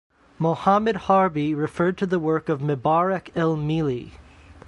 Mohamed Harbi referred to the work of Mebarek El Mili.